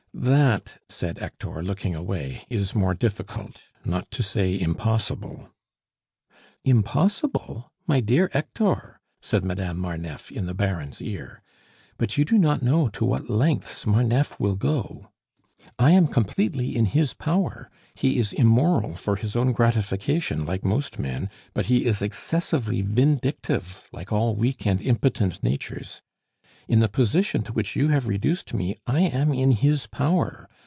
"That," said Hector, looking away, "is more difficult, not to say impossible." "Impossible, my dear Hector?" said Madame Marneffe in the Baron's ear. "But you do not know to what lengths Marneffe will go. I am completely in his power; he is immoral for his own gratification, like most men, but he is excessively vindictive, like all weak and impotent natures. In the position to which you have reduced me, I am in his power.